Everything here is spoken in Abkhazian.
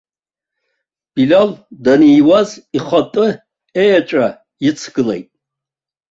Билал даниуаз ихатәы еҵәа ицгылеит.